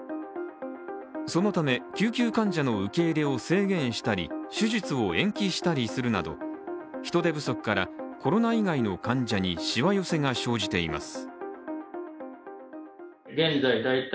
そのため、救急患者の受け入れを制限したり、手術を延期したりするなど人手不足から、コロナ以外の患者にしわ寄せが生じています。